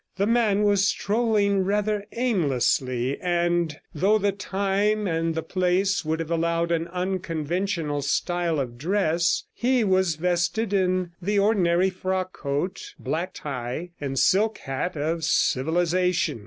The man was strolling rather aimlessly; and though the time and the place would have allowed an unconventional style of dress, he was vested in the ordinary frockcoat, black tie, and silk hat of civilisation.